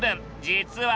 実は。